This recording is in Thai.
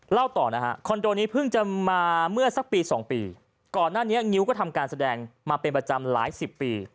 เล่าต่อนะฮะคอนโดนี้เพิ่งจะมาเมื่อสักปีสองปีก่อนหน้านี้งิ้วก็ทำการแสดงมาเป็นประจำหลายสิบปี